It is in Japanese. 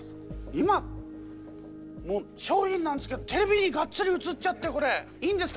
今商品なんですけどテレビにがっつり映っちゃってこれいいんですか？